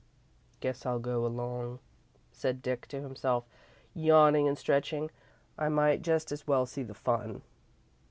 "Guess I'll go along," said Dick to himself, yawning and stretching. "I might just as well see the fun."